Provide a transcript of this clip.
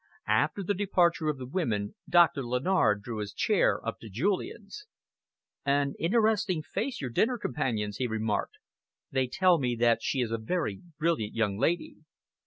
After the departure of the women, Doctor Lennard drew his chair up to Julian's. "An interesting face, your dinner companion's," he remarked. "They tell me that she is a very brilliant young lady."